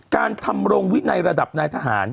การทำรงวินัยระดับนายทหาร